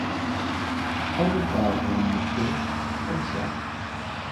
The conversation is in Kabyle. Acḥal i d-tɛerḍeḍ n medden? Xemsa.